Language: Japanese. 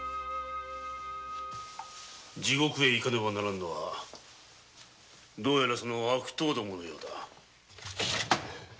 地獄へ行かねばならぬのはどうやら悪党どものようだ。